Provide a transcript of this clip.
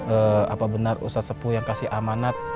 ee apa benar ustadz sepuh yang kasih amanat